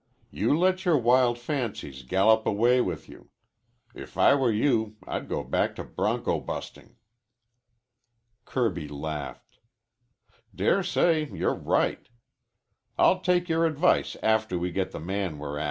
You let your wild fancies gallop away with you. If I were you I'd go back to bronco busting." Kirby laughed. "Dare say you're right. I'll take your advice after we get the man we're after."